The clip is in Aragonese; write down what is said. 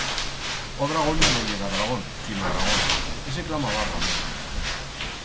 O dragón no yera dragón, sino dragona, e se clamaba Ramona.